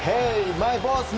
マイボス！